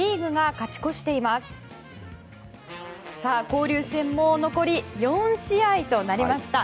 交流戦も残り４試合となりました。